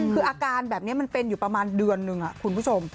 คืออาการแบบนี้มันเป็นอยู่ประมาณเดือนนึงคุณผู้ชม